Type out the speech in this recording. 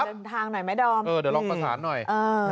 เป็นทางหน่อยไหมดอมเออเดี๋ยวลองประสานหน่อย